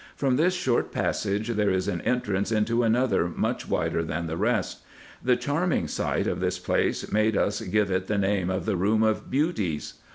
From this short passage there is an entrance into another much wider than the rest. The charming sight of this place made us give it the name of the Eoom of Beauties.